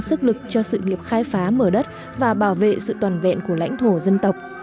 sức lực cho sự nghiệp khai phá mở đất và bảo vệ sự toàn vẹn của lãnh thổ dân tộc